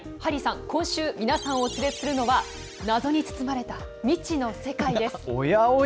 今週、皆さんをお連れするのは謎に包まれた未知の世界です。